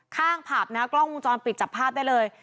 ข้างผาบนะครับกล้องมุมจรปิดจับภาพได้เลย